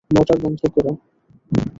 Mortar বন্ধ কর।